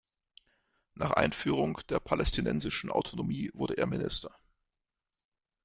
Nach Einführung der Palästinensischen Autonomie wurde er Minister.